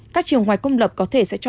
các trường ngoài công lập có thể sẽ cho